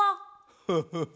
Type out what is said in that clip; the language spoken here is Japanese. フフフフ。